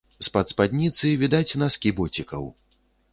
З-пад спадніцы відаць наскі боцікаў.